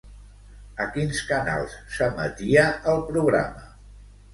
A quins canals s'emetia el programa?